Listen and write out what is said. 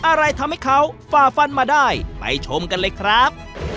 อะไรทำให้เขาฝ่าฟันมาได้ไปชมกันเลยครับ